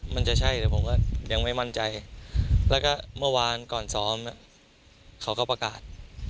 มันจะใช่แต่ผมก็ยังไม่มั่นใจแล้วก็เมื่อวานก่อนซ้อมเขาก็ประกาศ